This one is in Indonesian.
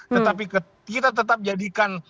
tetapi kita tetap jadikan